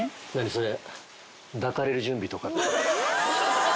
それ。